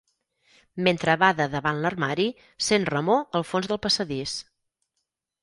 Mentre bada davant l'armari sent remor al fons del passadís.